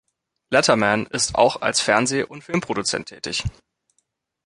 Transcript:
Letterman ist auch als Fernseh- und Filmproduzent tätig.